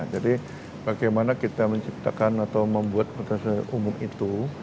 jadi bagaimana kita menciptakan atau membuat transportasi umum itu